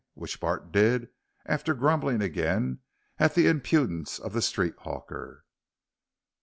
which Bart did, after grumbling again at the impudence of the street hawker.